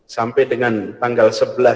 sampai dengan tanggal sebelas